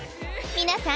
皆さん